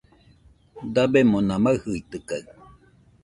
Dabemona maɨjɨitɨkaɨ